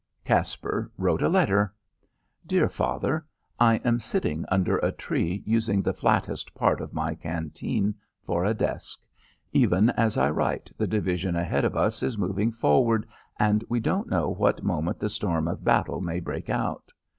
Caspar wrote a letter: "Dear Father: I am sitting under a tree using the flattest part of my canteen for a desk. Even as I write the division ahead of us is moving forward and we don't know what moment the storm of battle may break out.